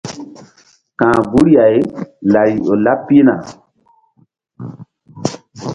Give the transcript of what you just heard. Ka̧h guri-ay lari ƴo laɓ pihna.